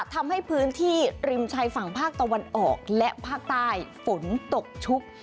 ทำให้พื้นที่ริมชายฝั่งภาคตะวันออกและภาคใต้ฝนตกชุก